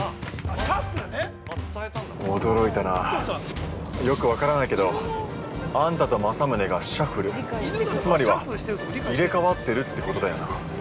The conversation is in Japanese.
驚いたなよく分からないけど、あんたとまさむねがシャッフルつまりは、入れ替わってるってことだよな？